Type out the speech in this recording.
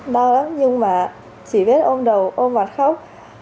đau lắm nhưng mà chỉ biết ôm đầu ôm mặt khóc